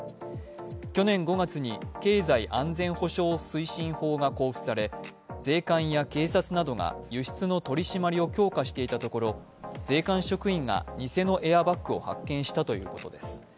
去年５月に経済安全保障推進法が公布され税関や警察などが輸出の取り締まりを強化していたところ税関職員が偽のエアバッグを発見したということです。